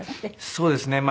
そうですね。